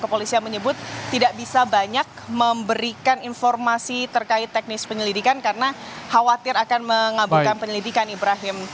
kepolisian menyebut tidak bisa banyak memberikan informasi terkait teknis penyelidikan karena khawatir akan mengabulkan penyelidikan ibrahim